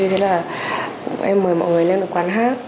thế là em mời mọi người lên quán hát